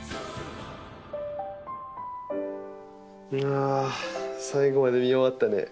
あ最後まで見終わったね。